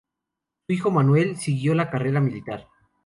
Su hijo Manuel siguió la carrera militar.